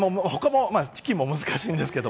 チキンも難しいです。